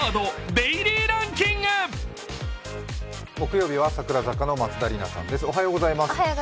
木曜日は櫻坂の松田里奈さんです。